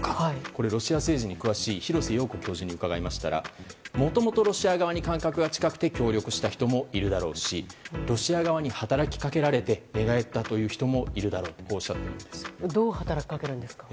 これはロシア政治に詳しい廣瀬陽子教授に伺いましたらもともとロシア側に感覚が近くて協力した人もいるだろうしロシア側に働きかけられて寝返った人もいるだろうとどう働きかけるんですか？